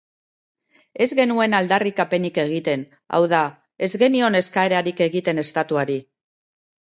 Ez genuen aldarrikapenik egiten, hau da, ez genion eskaerarik egiten estatuari